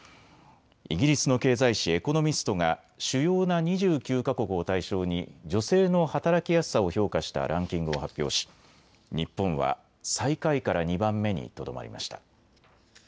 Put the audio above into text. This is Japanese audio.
イギリスの経済誌、エコノミストが主要な２９か国を対象に女性の働きやすさを評価したランキングを発表し日本は最下位から２番目にとどまりました。